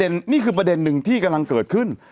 นี่คือประเด็นหนึ่งที่กำลังเกิดขึ้น